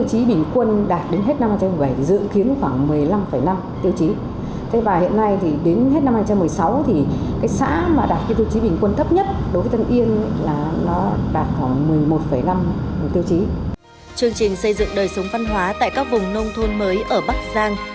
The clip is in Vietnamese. chương trình xây dựng đời sống văn hóa tại các vùng nông thôn mới ở bắc giang